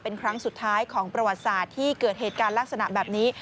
เป็นครั้งสุดท้ายของประวัติศาสตร์ที่เกิดเหตุการณ์ลักษณะแบบนี้